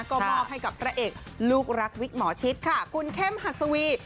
ก็มอบให้กับแปละเอกลูกรักวิกหมอชิตค่ะกลุ่นเข้มฮัตซาวี